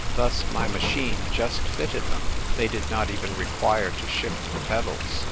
Thus my machine just fitted them ; they did not even require to shift the pedals.